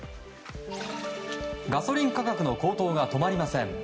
ガソリン価格の高騰が止まりません。